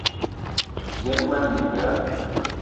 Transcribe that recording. Yen mmee minga: